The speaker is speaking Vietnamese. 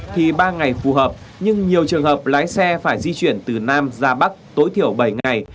thì ba ngày phù hợp nhưng nhiều trường hợp lái xe phải di chuyển từ nam ra bắc tối thiểu bảy ngày